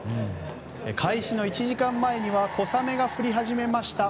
開始の１時間前には小雨が降り始めました。